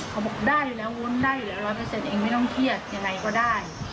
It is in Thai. เขาบอกได้อยู่แล้ววุ้นได้อยู่แล้ว๑๐๐เองไม่ต้องเครียดยังไงก็ได้